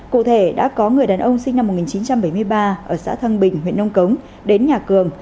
cụ thể đã có người đàn ông sinh năm một nghìn chín trăm bảy mươi ba ở xã thăng bình huyện nông cống đến nhà cường